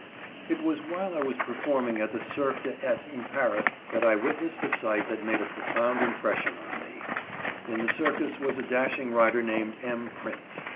It was while I was performing at the Cirque d'Eté in Paris that I witnessed a sight that made a profound impression on me. In the circus was a dashing rider named M. Prince.